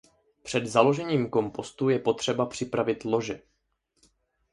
Před založením kompostu je potřeba připravit lože.